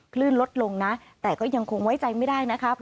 คลื่นลดลงนะแต่ก็ยังคงไว้ใจไม่ได้นะคะ